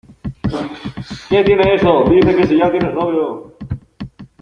¡Qué tiene eso! dice que si ya tienes novio.